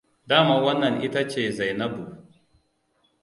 Dama wannan ita ce Zainabns.